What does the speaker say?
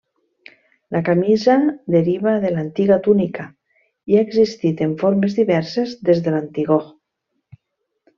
La camisa deriva de l'antiga túnica i ha existit en formes diverses des de l'antigor.